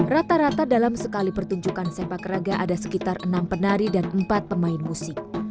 rata rata dalam sekali pertunjukan sepak raga ada sekitar enam penari dan empat pemain musik